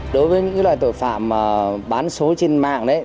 đối với những loài tội phạm bán số trên mạng đấy